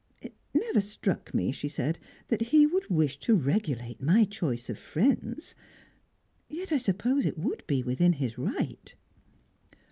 "It never struck me," she said, "that he would wish to regulate my choice of friends. Yet I suppose it would be within his right?"